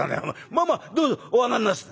『まあまあどうぞお上がんなさい』